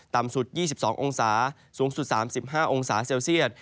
ต่ำสุด๒๒องศาสูงสุด๓๕องศาเซลเซียต